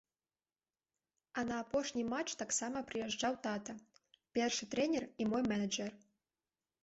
А на апошні матч таксама прыязджаў тата, першы трэнер і мой менеджэр.